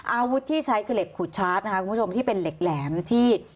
อาวุธที่ใช้คือเหล็กขูดชาร์จนะคะคุณผู้ชมที่เป็นเหล็กแหลมที่